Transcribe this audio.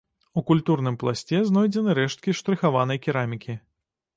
У культурным пласце знойдзены рэшткі штрыхаванай керамікі.